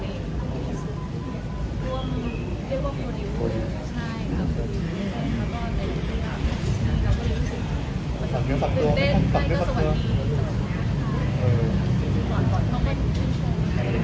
เนี้ยร่วมเรียกว่าใช่ครับแล้วก็เรียกว่าเป็นเต้นให้ก็สวัสดี